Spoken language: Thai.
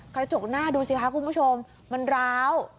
กระจกหน้าดูสิคะคุณผู้ชมมันร้าว